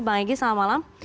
bang egy selamat malam